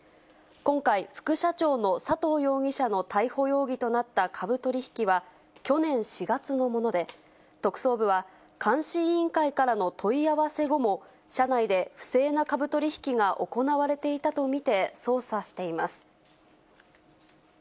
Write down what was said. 今回、副社長の佐藤容疑者の逮捕容疑となった株取り引きは、去年４月のもので、特捜部は、監視委員会からの問い合わせ後も、社内で不正な株取り引きが行われていたと見て捜査しています。